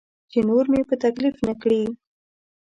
چې نور مې په تکلیف نه کړي.